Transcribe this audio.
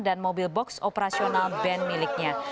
dan mobil box operasional band miliknya